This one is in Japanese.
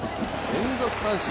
連続三振。